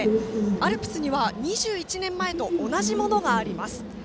アルプスには２１年前と同じものがあります。